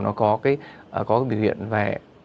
nó có cái biểu hiện về